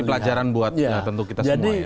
ini pelajaran buat tentu kita semua ya